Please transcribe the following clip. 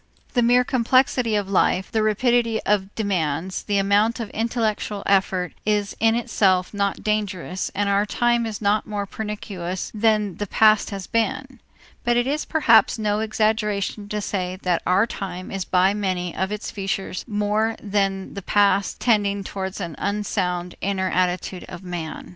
The mere complexity of the life, the rapidity of the demands, the amount of intellectual effort is in itself not dangerous and our time is not more pernicious than the past has been; but it is perhaps no exaggeration to say that our time is by many of its features more than the past tending towards an unsound inner attitude of man.